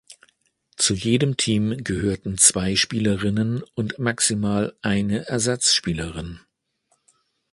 Zu jedem Team gehörten zwei Spielerinnen und maximal eine Ersatzspielerin.